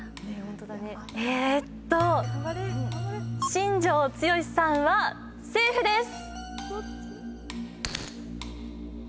新庄剛志さんはセーフです。